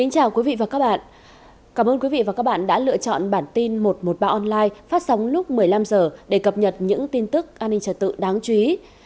cảm ơn quý vị và các bạn đã lựa chọn bản tin một trăm một mươi ba online phát sóng lúc một mươi năm h để cập nhật những tin tức an ninh trật tự đáng chú ý